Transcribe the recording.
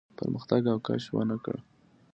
پرمختګ او کش ونه کړ.